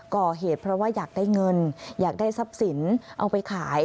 ก่อเหตุเพราะว่าอยากได้เงินอยากได้ทรัพย์สินเอาไปขาย